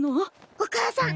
お母さん！